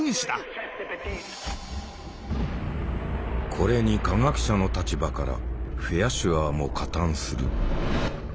これに科学者の立場からフェアシュアーも加担する。